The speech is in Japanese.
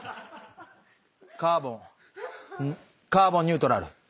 カーボンカーボンニュートラル。